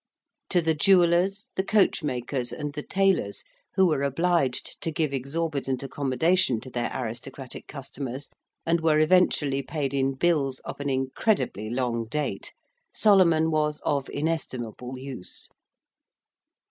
To the jewellers, the coachmakers, and the tailors, who were obliged to give exorbitant accommodation to their aristocratic customers, and were eventually paid in bills of an incredibly long date, Solomon was of inestimable use.